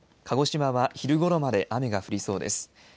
鹿児島は昼ごろまで雨が降りそうです。